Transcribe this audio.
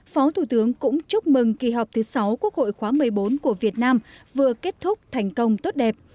phó thủ tướng cũng chúc mừng kỳ họp thứ sáu quốc hội khóa một mươi bốn của việt nam vừa kết thúc thành công tốt đẹp